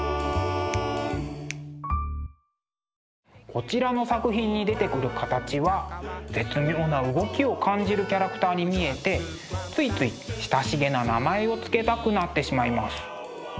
こちらの作品に出てくる形は絶妙な動きを感じるキャラクターに見えてついつい親しげな名前を付けたくなってしまいます。